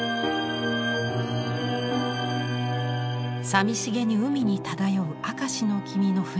さみしげに海に漂う明石の君の船。